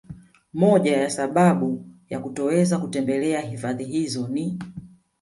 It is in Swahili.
Moja ya sababu ya kutoweza kutembelea hifadhi hizo ni